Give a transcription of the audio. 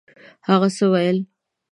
هغه څه ویل؟